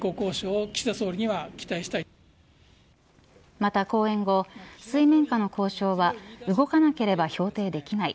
また、講演後水面下の交渉は動かなければ評定できない。